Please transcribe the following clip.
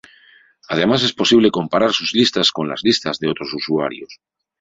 Además es posible comparar sus listas con las listas de otros usuarios.